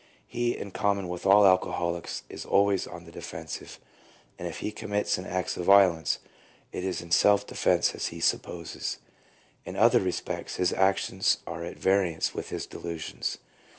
He, in common with all alcoholics, is always on the defensive; and if he commits an act of violence, it is in self defence as he supposes. In other respects his actions are at variance with his delusions.